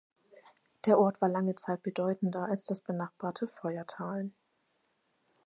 Der Ort war lange Zeit bedeutender als das benachbarte Feuerthalen.